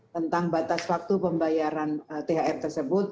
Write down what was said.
tentang batas waktu pembayaran thr tersebut